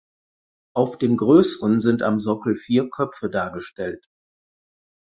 Auf dem größeren sind am Sockel vier Köpfe dargestellt.